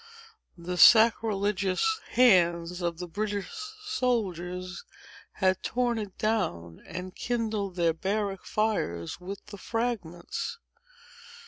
The sacrilegious hands of the British soldiers had torn it down, and kindled their barrack fires with the fragments.